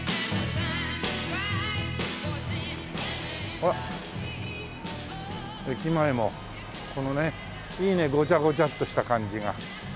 あらっ駅前もこのねいいねゴチャゴチャっとした感じが。